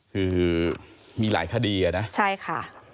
คือมีหลายคดีอ่ะนะใช่ค่ะ